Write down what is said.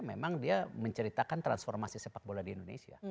memang dia menceritakan transformasi sepak bola di indonesia